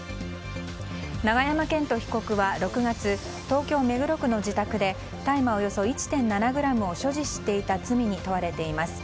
永山絢斗被告は６月東京・目黒区の自宅で大麻およそ１．７ｇを所持していた罪に問われています。